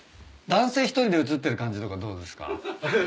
男性１人で写ってる感じとかどうですか？